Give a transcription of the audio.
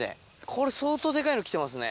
これ、相当でかいの来てますね。